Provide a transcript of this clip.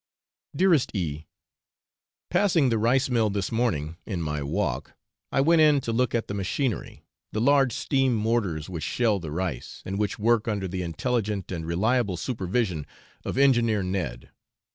Dearest E . Passing the rice mill this morning in my walk, I went in to look at the machinery, the large steam mortars which shell the rice, and which work under the intelligent and reliable supervision of Engineer Ned.